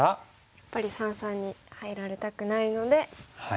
やっぱり三々に入られたくないのでオサえて。